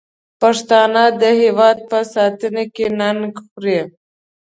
پښتانه د هېواد په ساتنه کې ننګ خوري.